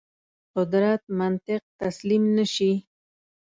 قدرت منطق تسلیم نه شي.